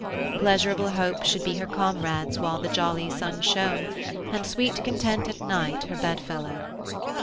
Pleasurable hopes should be her comrades while the jolly sun shone, and sweet content at night her bedfellow....